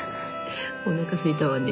おなかすいたわね。